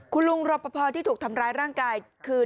คุณลุงรอปภที่ถูกทำร้ายร่างกายคือ